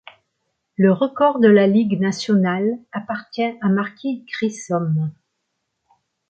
Le record de la Ligue nationale appartient à Marquis Grissom.